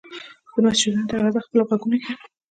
د مسجدونو دروازو خپلو غوږونو کې